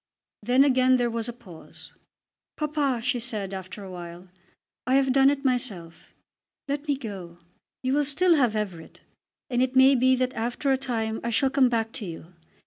Then again there was a pause. "Papa," she said after a while, "I have done it myself. Let me go. You will still have Everett. And it may be that after a time I shall come back to you.